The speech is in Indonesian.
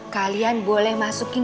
kalian boleh masukin